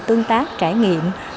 tương tác trải nghiệm